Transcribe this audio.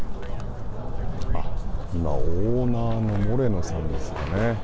今、オーナーのモレノさんですかね。